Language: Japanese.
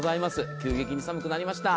急激に寒くなりました。